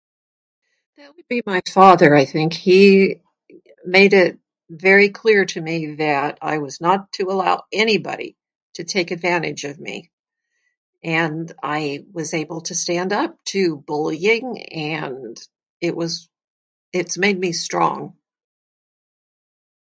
That would be my father, I think. He made it very clear to me that I was not to allow anybody to take advantage of me. And I was able to stand up to bullying, and it was, it's made me strong.